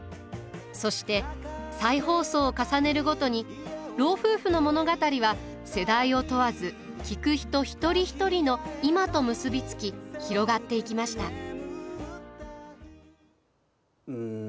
そして再放送を重ねるごとに老夫婦の物語は世代を問わず聴く人一人一人の「いま」と結び付き広がっていきました。